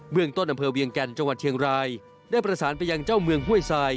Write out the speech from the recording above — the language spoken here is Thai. เมืองต้นอำเภอเวียงแก่นจังหวัดเชียงรายได้ประสานไปยังเจ้าเมืองห้วยทราย